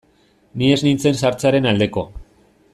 Ni ez nintzen sartzearen aldeko.